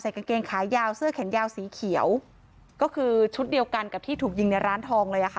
กางเกงขายาวเสื้อแขนยาวสีเขียวก็คือชุดเดียวกันกับที่ถูกยิงในร้านทองเลยอ่ะค่ะ